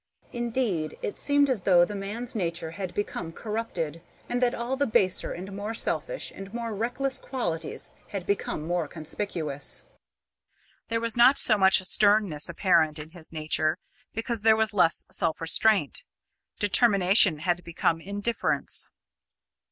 Indeed, it seemed as though the man's nature had become corrupted, and that all the baser and more selfish and more reckless qualities had become more conspicuous. There was not so much sternness apparent in his nature, because there was less self restraint. Determination had become indifference.